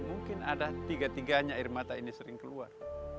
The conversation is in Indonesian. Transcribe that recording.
mungkin ada tiga tiganya air mata ini sering keluar